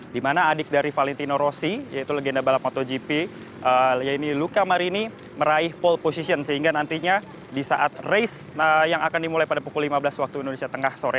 di mana adik dari valentino rossi yaitu legenda balap motogp yaitu luka marini meraih pole position sehingga nantinya di saat race yang akan dimulai pada pukul lima belas waktu indonesia tengah sore